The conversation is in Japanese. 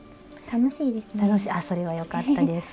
楽しいあっそれはよかったです。